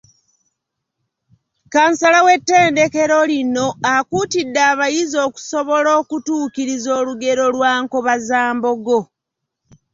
Kansala w’ettendekero lino, akuutidde abayizi okusobola okutuukiriza olugero lwa Nkobazambogo.